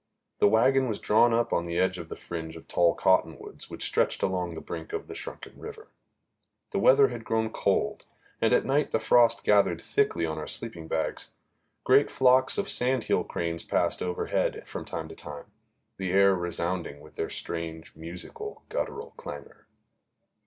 The wagon was drawn up on the edge of the fringe of tall cottonwoods which stretched along the brink of the shrunken river. The weather had grown cold, and at night the frost gathered thickly on our sleeping bags. Great flocks of sandhill cranes passed overhead from time to time, the air resounding with their strange, musical, guttural clangor.